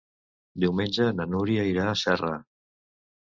Diumenge na Núria irà a Serra.